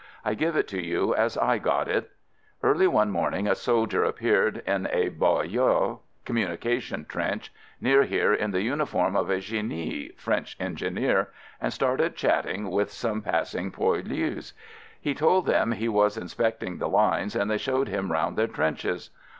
I give it to you as I got it: Early one morning a soldier appeared in a boyau (communication trench) near here in the uniform of a genie (French engineer) and started chatting with some passing poilus. He told them he was in specting the lines and they showed him round their trenches.